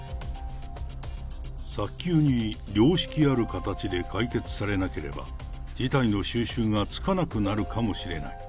早急に良識ある形で解決されなければ、事態の収拾がつかなくなるかもしれない。